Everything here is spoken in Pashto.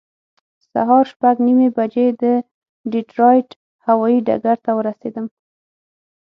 سهار شپږ نیمې بجې د ډیټرایټ هوایي ډګر ته ورسېدم.